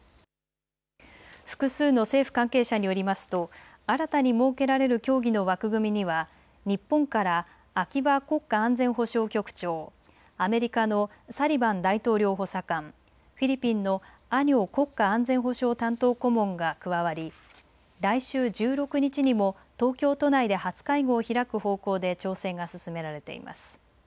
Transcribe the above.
複数の政府関係者によりますと新たに設けられる協議の枠組みには日本から秋葉国家安全保障局長、アメリカのサリバン大統領補佐官、フィリピンのアニョ国家安全保障担当顧問が加わり来週１６日にも東京都内で初会合を開く方向で調整が進められています。